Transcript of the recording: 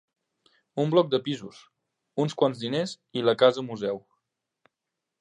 Un bloc de pisos, uns quants diners i la casa museu.